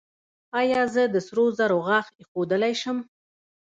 ایا زه د سرو زرو غاښ ایښودلی شم؟